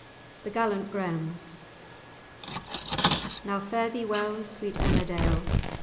*THE GALLANT GRAHAMS* Now, fare thee well, sweet Ennerdale!